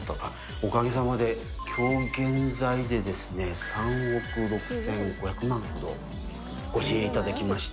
おかげさまで、きょう現在で、３億６５００万ほどご支援いただきまして。